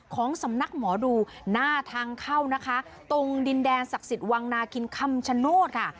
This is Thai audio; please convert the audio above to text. ของสำนักหมอดูหน้าทางเข้านะคะตรงดินแดนศักดิ์สิทธิ์วังนาคินคำชโนธค่ะ